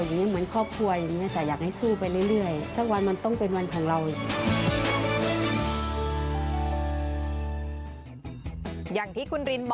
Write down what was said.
อย่างนี้เหมือนครอบครัวอย่างนี้